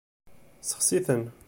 Sexsit-ten.